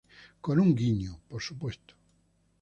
Con un guiño, por supuesto.